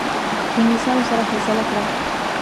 د انګلیسانو سره فیصله کړه.